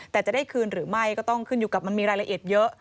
แต่จะได้คืนหรือไม่ก็ต้องขึ้นอยู่กับมันมีรายละเอียดเยอะ